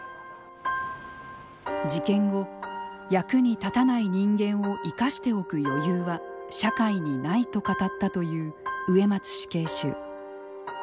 事件後「役に立たない人間を生かしておく余裕は社会にない」と語ったという植松死刑囚。